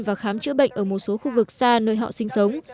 và khám chữa bệnh ở một số khu vực xa nơi họ sinh sống